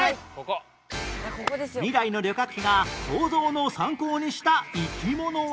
未来の旅客機が構造の参考にした生き物は